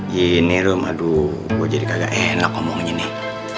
gini rom aduh gue jadi kagak enak omongnya nih